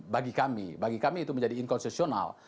bagi kami bagi kami itu menjadi inkonstitusional